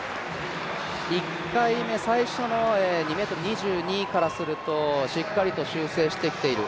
１回目、最初の２ｍ２２からするとしっかりと修正してきている。